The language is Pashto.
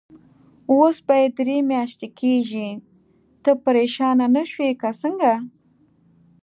اوس به یې درې میاشتې کېږي، ته پرېشانه نه شوې که څنګه؟